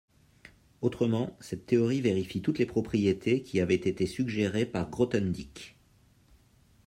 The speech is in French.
Autrement, cette théorie vérifie toutes les propriétés qui avaient été suggérées par Grothendieck.